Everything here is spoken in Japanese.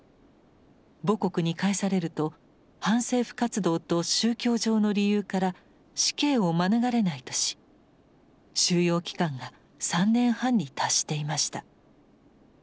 母国に帰されると反政府活動と宗教上の理由から死刑を免れないとし収容期間が３年半に達していました。